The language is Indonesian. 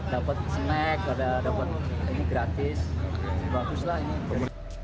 dapat snek ini gratis bagus lah ini